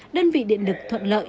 đơn vị điện lực thuận lợi